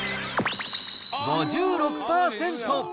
５６％。